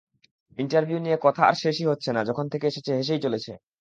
Interview নিয়ে কথা আর শেষই হচ্ছে না যখন থেকে এসেছে, হেসেই চলেছে।